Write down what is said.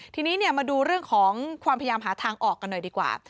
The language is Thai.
ทีนี้มาดูเรื่องของความพยายามหาทางออกกันหน่อยดีกว่า